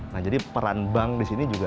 nah jadi peran bank di sini juga